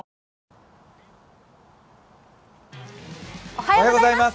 おはようございます。